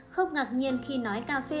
không ngạc nhiên khi nói cà phê